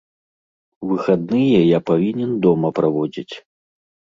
Выхадныя я павінен дома праводзіць.